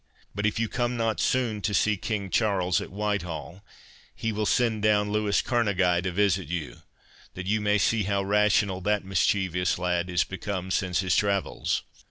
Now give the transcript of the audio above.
But if you come not soon to see King Charles at Whitehall, he will send down Louis Kerneguy to visit you, that you may see how rational that mischievous lad is become since his travels."